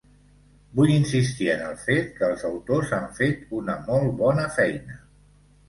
Vull insistir en el fet que els autors han fet una molt bona feina.